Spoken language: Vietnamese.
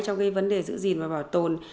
trong cái vấn đề giữ gìn và bảo tồn